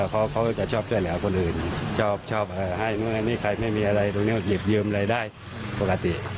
เขาจะชอบช่วยเหลือคนอื่นชอบให้เมื่ออันนี้ใครไม่มีอะไรตรงนี้หยิบยืมอะไรได้ปกติ